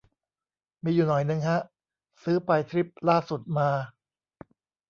มีอยู่หน่อยนึงฮะ ซื้อไปทริปล่าสุดมา